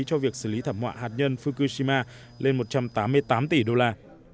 cho việc xử lý thảm họa hạt nhân fukushima lên một trăm tám mươi tám tỷ đô la